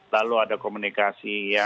lalu ada komunikasi ya